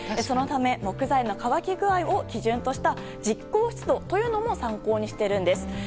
そのため木材の乾き具合を基準とした実効湿度というのも参考にしているんです。